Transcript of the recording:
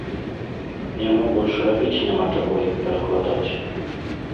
Яму больш рабіць няма чаго, як перакладаць.